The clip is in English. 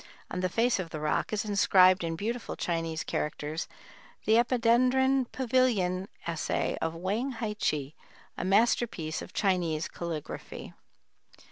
On the face of the rock is inscribed in beautiful Chinese characters the Epidendron Pavilion Essay of Wang Hi che, a masterpiece of Chinese calligraphy.